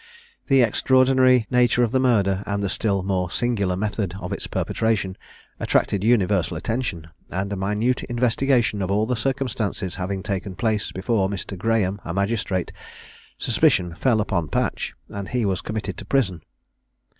The extraordinary nature of the murder, and the still more singular method of its perpetration attracted universal attention, and a minute investigation of all the circumstances having taken place before Mr. Graham a magistrate, suspicion fell upon Patch, and he was committed to prison.